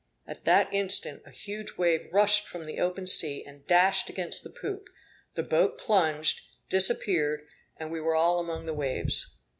At that instant a huge wave rushed from the open sea, and dashed against the poop; the boat plunged, disappeared, and we were all among the waves.